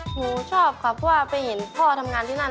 หนูชอบค่ะเพราะว่าไปเห็นพ่อทำงานที่นั่น